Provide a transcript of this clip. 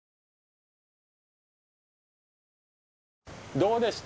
どうでした？